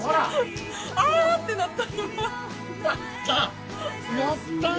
あぁ！ってなった。